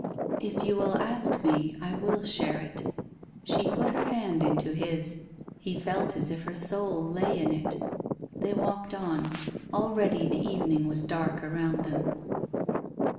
" If you will ask me, I will share it." She put her hand into his. He felt as if her soul lay in it. They walked on. Already the evening was dark around ihcm.